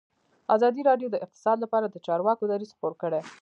ازادي راډیو د اقتصاد لپاره د چارواکو دریځ خپور کړی.